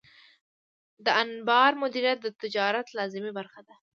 د انبار مدیریت د تجارت لازمي برخه ده.